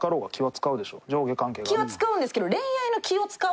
気は使うんですけど。